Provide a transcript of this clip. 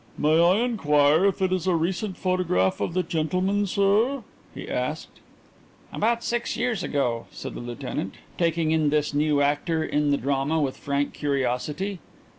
"May I inquire if it is a recent photograph of the gentleman, sir?" he asked. "About six years ago," said the lieutenant, taking in this new actor in the drama with frank curiosity.